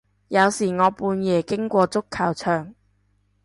有時我半夜經過足球場